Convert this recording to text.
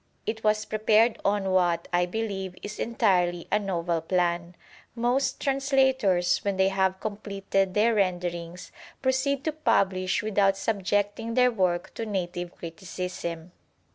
It was prepared on what, I believe, is entirely a novel plan. Most translators, when they have completed their ren derings, proceed to publish without subjecting their work to native criticism.